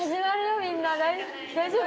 みんな大丈夫？